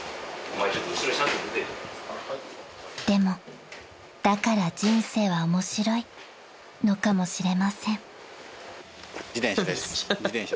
［でもだから人生は面白いのかもしれません］